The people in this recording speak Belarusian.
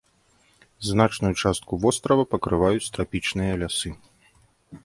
Значную частку вострава пакрываюць трапічныя лясы.